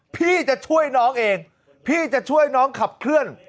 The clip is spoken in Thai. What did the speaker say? พี่จะช่วยน้องเองพี่จะช่วยน้องขับเคลื่อน